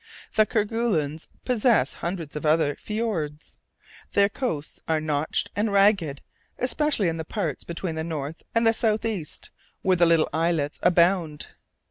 The Kerguelens possess hundreds of other fjords. Their coasts are notched and ragged, especially in the parts between the north and the south east, where little islets abound.